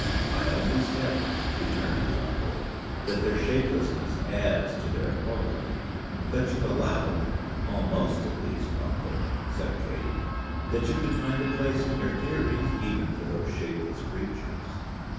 "I only said," returned his uncle, "that their shapelessness adds to their horror." "But you allowed almost, at least, uncle," said Kate, "that you could find a place in your theories even for those shapeless creatures."